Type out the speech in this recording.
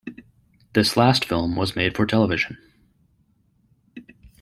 This last film was made for television.